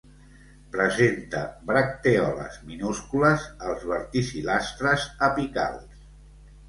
Presenta bractèoles minúscules als verticil·lastres apicals.